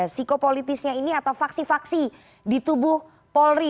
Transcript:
psikopolitisnya ini atau faksi faksi di tubuh polri